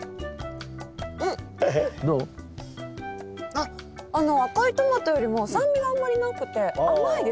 あっ赤いトマトよりも酸味があんまりなくて甘いですね。